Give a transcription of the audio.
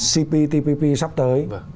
cptpp sắp tới